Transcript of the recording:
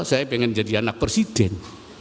saya ingin jadi anak presiden